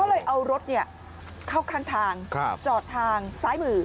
ก็เลยเอารถเข้าข้างทางจอดทางซ้ายมือ